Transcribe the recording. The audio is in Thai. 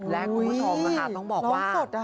และคุณผู้ชมนะคะต้องบอกว่า